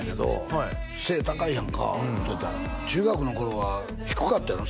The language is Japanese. はい背高いやんか見てたら中学の頃は低かったやろ？